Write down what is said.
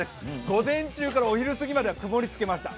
午前中からお昼すぎまでは曇りをつけました。